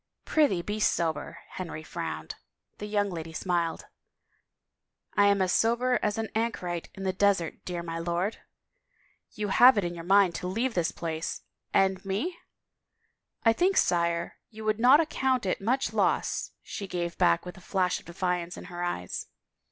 " Prithee, be sober," Henry frowned. The young lady smiled. " I am as sober as an anchorite in the desert, dear my lord." " You have it in your mind to leave this place — and me?" " I think, sire, you would not account it much loss," she gave back with a flash of defiance in her eyes.